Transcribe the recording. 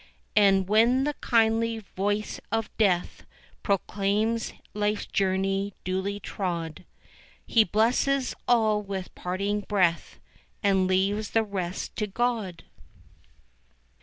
And when the kindly voice of Death Proclaims life's journey duly trod, He blesses all with parting breath And leaves the rest to God.